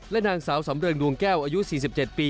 เกิดดูปฏิเหตุร่งดวงแก้วอายุ๔๗ปี